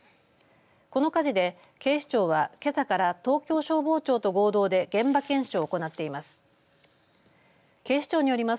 この火事で警視庁はけさから東京消防庁と合同で現場検証を行っています。